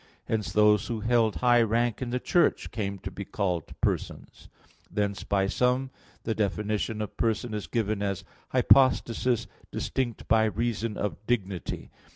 Hence, those who held high rank in the Church came to be called "persons." Thence by some the definition of person is given as "hypostasis distinct by reason of dignity."